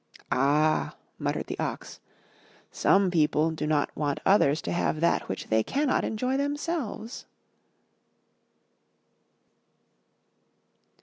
''Ah," muttered the Ox, "some people do not want others to have that which they cannot enjoy them selves."